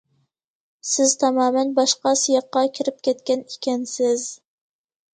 سىز تامامەن باشقا سىياققا كىرىپ كەتكەن ئىكەنسىز.